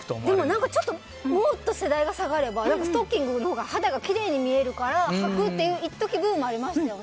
もっと世代が下がればストッキングのほうが肌がきれいに見えるからはくというブームがありましたよね。